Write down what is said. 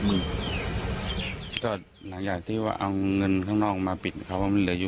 หลังจากที่ว่าเอาเงินข้างนอกมาปิดเขาว่ามันเหลืออยู่